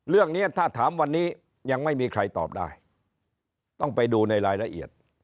เรื่องนี้ถ้าถามวันนี้ยังไม่มีใครตอบได้ต้องไปดูในรายละเอียด